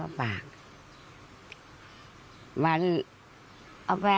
เวลาเข้าป่าวนอนคิดเขาก็ลุกจากนอนแล้วก็ฟาก